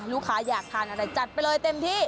ลูกค้าอยากทานอะไรจัดไปเลยเต็มที่